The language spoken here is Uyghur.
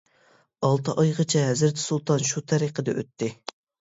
ئالتە ئايغىچە ھەزرىتى سۇلتان شۇ تەرىقىدە ئۆتتى.